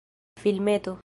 filmeto